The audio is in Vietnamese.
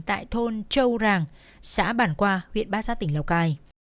tại thôn châu ràng xã bản qua huyện bát sát tỉnh lào cai